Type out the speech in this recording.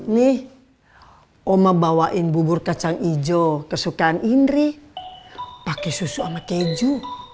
nih omobawa in bubur kacang ijo kesukaan indri pakai susu ama keju